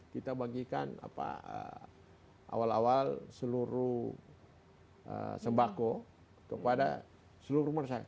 kita bagikan awal awal seluruh sembako kepada seluruh masyarakat